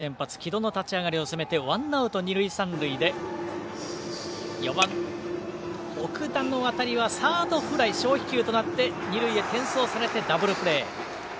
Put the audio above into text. １回の表の専大松戸長崎商業の先発、城戸の立ち上がりを攻めてワンアウト、二塁三塁で４番、奥田の当たりはサードフライ、小飛球となって二塁へ転送されてダブルプレー。